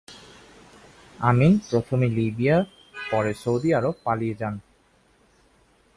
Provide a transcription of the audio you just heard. আমিন প্রথমে লিবিয়া পরে Saudi Arab পালিয়ে যান।